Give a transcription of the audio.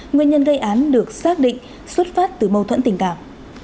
nguyên nhân gây án được xác định xuất phát từ mâu thuẫn tình cảm